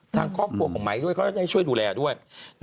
ทางครอบครัวของไม้ด้วยเขาจะได้ช่วยดูแลด้วย